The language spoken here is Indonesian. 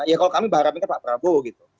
ya kalau kami berharapnya pak prabowo gitu